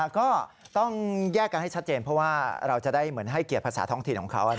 ก็ต้องแยกกันให้ชัดเจนเพราะว่าเราจะได้เหมือนให้เกียรติภาษาท้องถิ่นของเขา